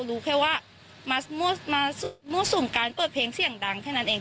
รู้แค่ว่ามามั่วสุมการเปิดเพลงเสียงดังแค่นั้นเอง